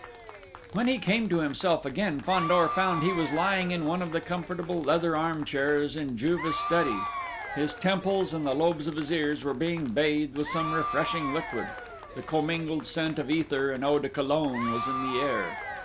When he came to himself again, Fandor found he was lying in one of the comfortable leather arm chairs in Juve's study. His temples and the lobes of his ears were being bathed with some refreshing liquid: the commingled scent of ether and eau de Cologne was in the air.